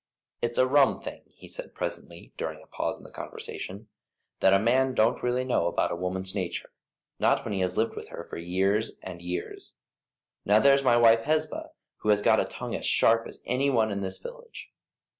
"It's a rum thing," he said, presently, during a pause in the conversation, "that a man don't know really about a woman's nature, not when he has lived with her for years and years. Now there's my wife Hesba, who has got a tongue as sharp as any one in this village."